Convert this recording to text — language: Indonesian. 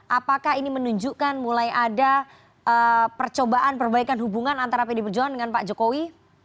apakah ini menunjukkan mulai ada percobaan perbaikan hubungan antara pdi perjuangan dengan pak jokowi